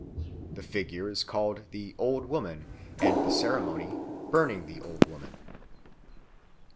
The figure is called the Old Woman, and the ceremony "burning the Old Woman."